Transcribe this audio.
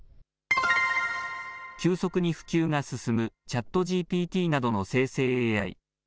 急速に普及が進むＣｈａｔＧＰＴなどの生成ＡＩ。